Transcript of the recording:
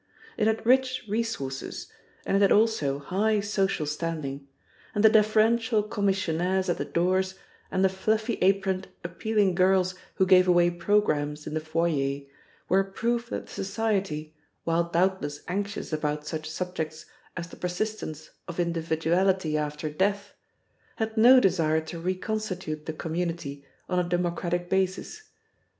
It had rich resources, and it had also high social standing; and the deferential commissionaires at the doors and the fluffy aproned, appealing girls who gave away programmes in the foyer were a proof that the society, while doubtless anxious about such subjects as the persistence of individuality after death, had no desire to reconstitute the community on a democratic basis.